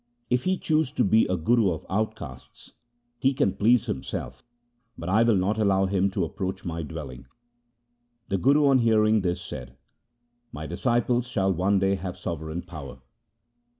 If he choose to be a Guru of outcastes, he can please him self, but I will not allow him to approach my dwell ing.' The Guru on hearing this said, ' My disciples shall one day have sovereign power.